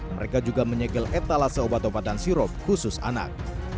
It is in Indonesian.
mereka juga menyegel etalase obat obatan sirup khusus anak